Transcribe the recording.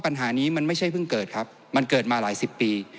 ปัญหานี้มันไม่ใช่เพิ่งเกิดครับมันเกิดมาหลายสิบปี